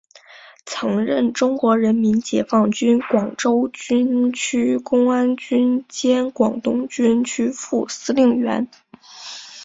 曾任中国人民解放军广州军区公安军兼广东军区副司令员。